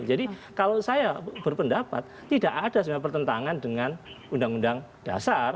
jadi kalau saya berpendapat tidak ada pertentangan dengan undang undang dasar